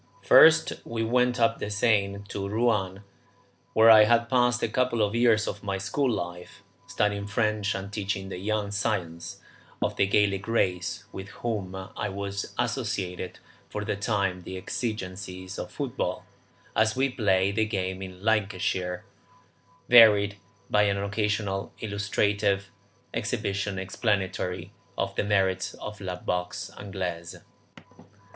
First we went up the Seine to Rouen, where I had passed a couple of years of my school life, studying French and teaching the young scions of the Gallic race, with whom I was associated for the time the exigencies of football, as we play the game in Lancashire, varied by an occasional illustrative exhibition explanatory of the merits of la boxe Anglaise.